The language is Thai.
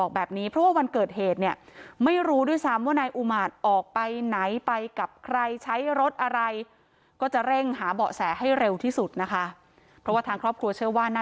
คือมันคล้ายกับคดีเสียโกศลเลยนะ